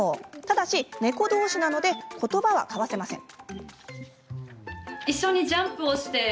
ただし、猫同士なので言葉は交わせません。